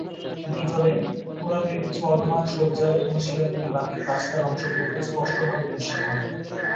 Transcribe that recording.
ভিতরে, "কুরআনের" কিছু অটোমান সজ্জা এবং শিলালিপি বাকী প্লাস্টার অংশগুলিতে স্পষ্টভাবে দৃশ্যমান।